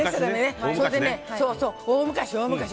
大昔よ、大昔。